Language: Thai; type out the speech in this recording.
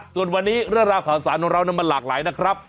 ส่วนวันนี้เรื่องราวข่าวสารของเรามันหลากหลายนะครับ